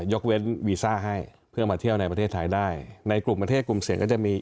ยกเว้นวีซ่าให้เพื่อมาเที่ยวในประเทศไทยได้ในกลุ่มประเทศกลุ่มเสี่ยงก็จะมี